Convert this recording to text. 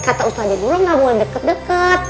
kata ustadz dulu enggak boleh deket deket